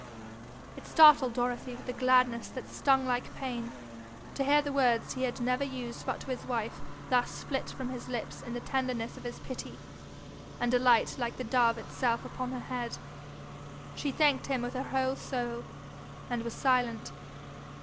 It startled Dorothy with a gladness that stung like pain, to hear the word he never used but to his wife thus flit from his lips in the tenderness of his pity, and alight like the dove itself upon her head. She thanked him with her whole soul, and was silent.